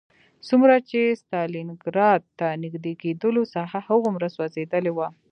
څومره چې ستالینګراډ ته نږدې کېدلو ساحه هغومره سوځېدلې وه